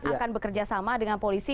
akan bekerja sama dengan polisi